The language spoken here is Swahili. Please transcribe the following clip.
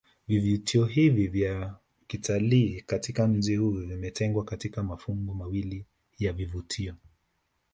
Vivutio hivi vya kitalii katika mji huu vimetengwa katika mafungu mawili ya vivutio